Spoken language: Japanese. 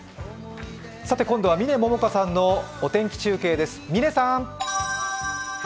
今度は嶺百花さんのお天気中継です。